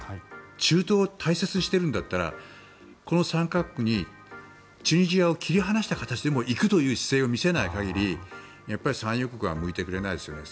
中東を大切にしているんだったらこの３か国にチュニジアを切り離した形でも行くという姿勢を見せない限り産油国は向いてくれないですよね。